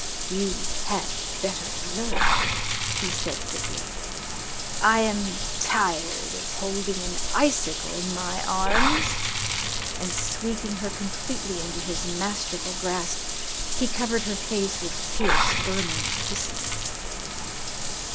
"You had better learn," he said thickly. "I am tired of holding an icicle in my arms," and sweeping her completely into his masterful grasp he covered her face with fierce, burning kisses.